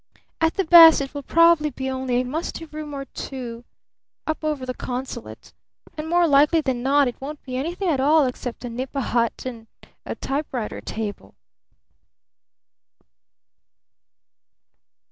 "At the best it will probably be only a musty room or two up over the consulate and more likely than not it won't be anything at all except a nipa hut and a typewriter table."